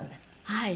はい。